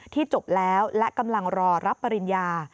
จบแล้วและกำลังรอรับปริญญา